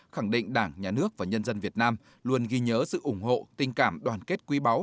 khẳng định đảng nhà nước và nhân dân việt nam luôn ghi nhớ sự ủng hộ tình cảm đoàn kết quý báu